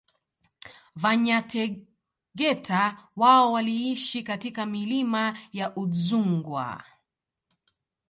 Vanyategeta wao waliishi katika milima ya Udzungwa